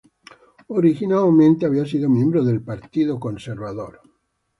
Originalmente había sido miembro del Partido Whig.